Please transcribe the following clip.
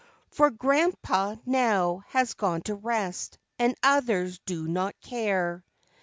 •//■ For Grandpa now has gone to rest, and others do not care.